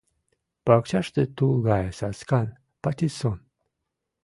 Пакчаште тул гае саскан — патиссон;